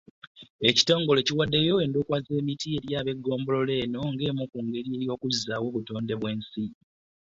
Ekitongole kiwaddeyo endokwa z'emiti eri abeggombolola eno ng’emu ku ngeri y’okuzzaawo obutondebwensi.